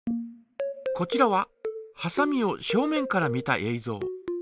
こちらははさみを正面から見たえいぞう。